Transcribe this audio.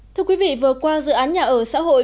thưa quý vị vừa qua dự án nhà ở xã hội